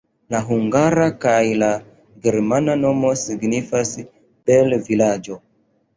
La hungara kaj la germana nomo signifas "bel-vilaĝo".